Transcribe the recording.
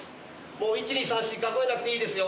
もう１２３４数えなくていいですよ。